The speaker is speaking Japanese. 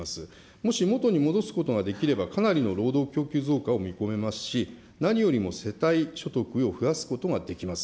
もし元に戻すことができれば、かなりの労働供給増加を見込めますし、何よりも世帯所得を増やすことができます。